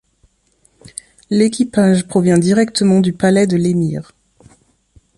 L'équipage provient directement du palais de l'émir.